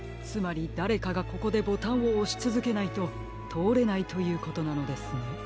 つまりだれかがここでボタンをおしつづけないととおれないということなのですね。